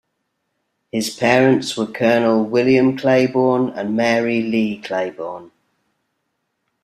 His parents were Colonel William Claiborne and Mary Leigh Claiborne.